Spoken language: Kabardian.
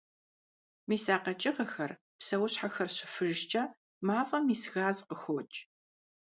Мис а къэкӀыгъэхэр, псэущхьэхэр щыфыжкӀэ мафӀэм ис газ къыхокӀ.